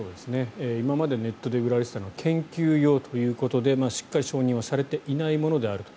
今までネットで売られていたのは研究用ということでしっかり承認されていないものであると。